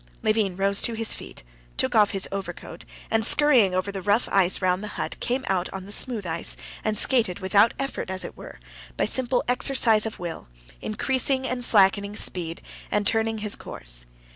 Levin rose to his feet, took off his overcoat, and scurrying over the rough ice round the hut, came out on the smooth ice and skated without effort, as it were, by simple exercise of will, increasing and slackening speed and turning his course.